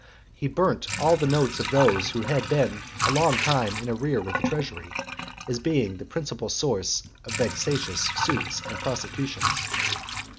He burnt all the notes of those who had been a long time in arrear with the treasury, as being the principal source of vexatious suits and prosecutions.